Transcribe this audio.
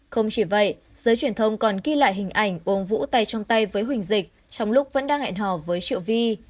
không chỉ vậy giới truyền thông còn ghi lại hình ảnh ôm vũ tay trong tay với huỳnh dịch trong lúc vẫn đang hẹn hò với triệu vi